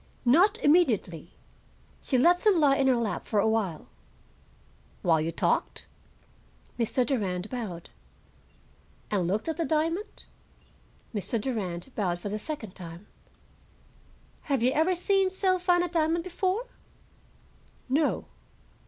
"Not immediately. She let them lie in her lap for a while." "While you talked?" Mr. Durand bowed. "And looked at the diamond?" Mr. Durand bowed for the second time. "Had you ever seen so fine a diamond before?" "No."